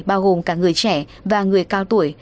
bao gồm cả người trẻ và người cao tuổi